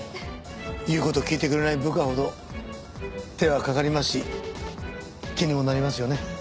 言う事を聞いてくれない部下ほど手はかかりますし気にもなりますよね。